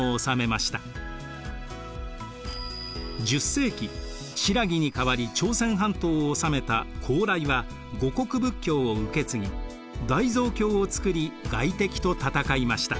１０世紀新羅に代わり朝鮮半島を治めた高麗は護国仏教を受けつぎ大蔵経をつくり外敵と戦いました。